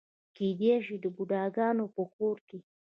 کېدای شي د بوډاګانو په کور کې.